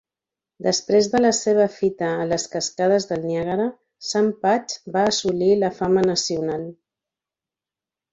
Després de la seva fita a les cascades del Niàgara, Sam Patch va assolir la fama nacional.